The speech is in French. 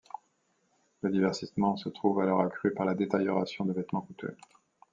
Le divertissement se trouve alors accru par la détérioration de vêtements coûteux.